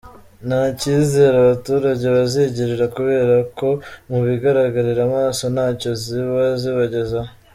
Nta cyizere abaturage bazigirira kubera ko mu bigaragarira amaso nta cyo ziba zibagezaho.